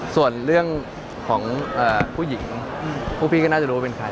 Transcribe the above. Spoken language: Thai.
ส่วนเรื่องของผู้หญิงพวกพี่ก็น่าจะรู้ว่าเป็นใคร